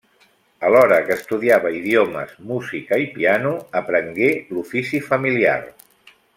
Alhora que estudiava idiomes, música i piano, aprengué l'ofici familiar.